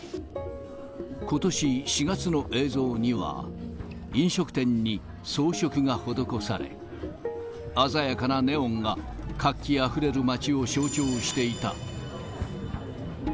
ことし４月の映像には、飲食店に装飾が施され、鮮やかなネオンが、活気あふれる街を象徴していた。